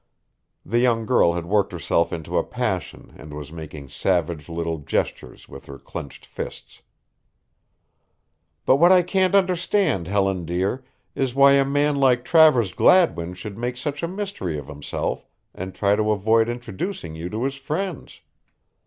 The young girl had worked herself into a passion and was making savage little gestures with her clenched fists. "But what I can't understand, Helen dear, is why a man like Travers Gladwin should make such a mystery of himself and try to avoid introducing you to his friends.